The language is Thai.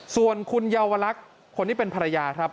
ส่วนคุณเยาวลักษณ์คนที่เป็นภรรยาครับ